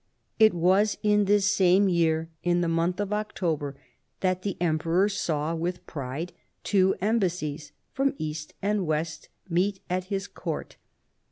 It was in this same year, in the month of Octo ber, that the emperor saw with pride two embassies, from east and west, meet at his court.